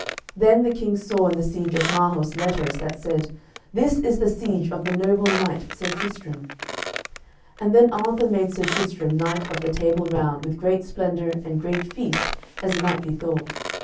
Then the King saw in the siege of Marhaus letters that said, "This is the siege of the noble knight Sir Tristram." And then Arthur made Sir Tristram knight of the Table Round with great splendour and great feast, as might be thought.